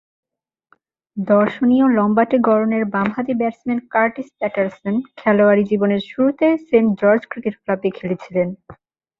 দর্শনীয়, লম্বাটে গড়নের বামহাতি ব্যাটসম্যান কার্টিস প্যাটারসন খেলোয়াড়ী জীবনের শুরুতে সেন্ট জর্জ ক্রিকেট ক্লাবে খেলেছিলেন।